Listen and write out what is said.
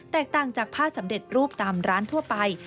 ต่างจากผ้าสำเร็จรูปตามร้านทั่วไป